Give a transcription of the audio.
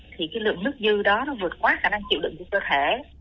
thì cái lượng nước dư đó nó vượt quá khả năng chịu đựng của cơ thể